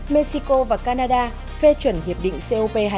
mexico và canada phê chuẩn hiệp định cop hai mươi